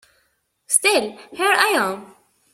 Still, here I am.